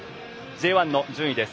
Ｊ１の順位です。